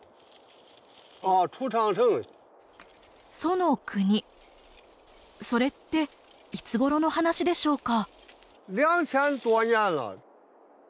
楚の国それっていつごろの話でしょうか？